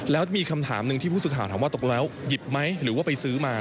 แล้วมีคำถามหนึ่งที่ผู้สื่อข่าวถามว่าตกแล้วหยิบไหมหรือว่าไปซื้อมา